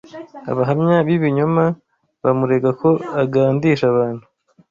Abahamya b’ibinyoma bamurega ko agandisha abantu